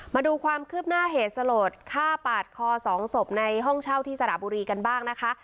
มาดูความคืบหน้าเหตุสลดฆ่าปาดคอสองศพในห้องเช่าที่สระบุรีกันบ้างนะคะ